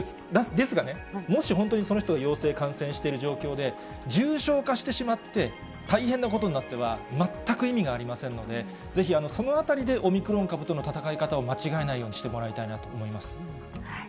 ですがね、もし本当にその人が陽性、感染している状況で、重症化してしまって、大変なことになったら、全く意味がありませんので、ぜひそのあたりでオミクロン株との闘い方を間違えないようにしてもらいたいなと思います。